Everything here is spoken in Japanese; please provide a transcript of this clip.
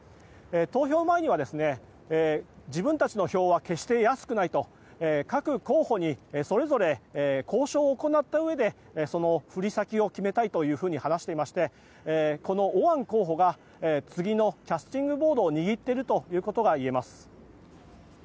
投票前には、自分たちの票は決して安くないと各候補にそれぞれ交渉を行ったうえでその振り先を決めたいと話していましてこのオアン候補が次のキャスティングボードを握っているということが言えます。